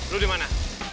lu di mana